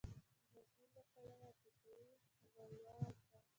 د مضمون له پلوه عاطفي غلوه ده.